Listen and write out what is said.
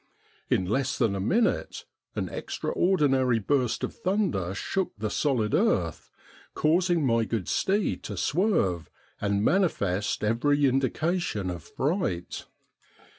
In less than a minute an extraordinary burst of thunder shook the solid earth, causing my good steed to swerve, and manifest every indication of fright.